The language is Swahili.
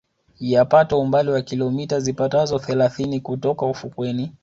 Yapata umbali wa kilomita zipatazo thelathini kutoka ufukweni